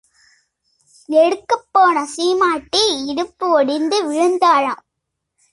எடுக்கப் போன சீமாட்டி இடுப்பு ஒடிந்து விழுந்தாளாம்.